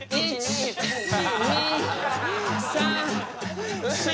１２３４。